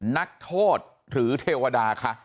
นักโทษหรือเทวดาค่ะ